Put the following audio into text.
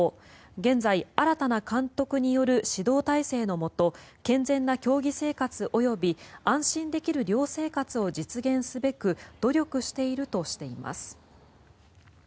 現在、新たな監督による指導体制のもと健全な競技生活及び安心できる寮生活を実現すべく努力しているとしています。